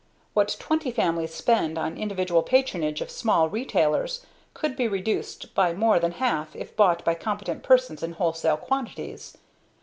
What twenty families spend on individual patronage of small retailers, could be reduced by more than half if bought by competent persons in wholesale quantities.